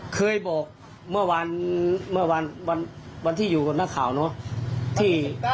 เคยบอกเมื่อวานที่อยู่กับหน้าข่าวเนาะ